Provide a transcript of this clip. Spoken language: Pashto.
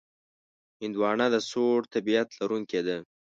هندوانه د سوړ طبیعت لرونکې ده.